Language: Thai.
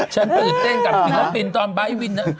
ฉันตื่นเต้นกับที่เขาปินตอนบ้ายวินนะ